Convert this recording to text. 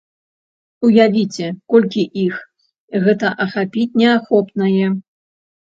Уявіце, колькі іх, гэта ахапіць неахопнае.